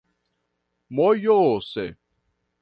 mojose